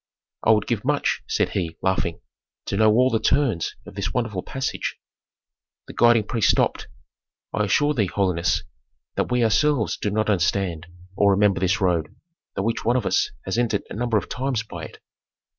"I would give much," said he, laughing, "to know all the turns of this wonderful passage." The guiding priest stopped, "I assure thee, holiness, that we ourselves do not understand or remember this road, though each one of us has entered a number of times by it."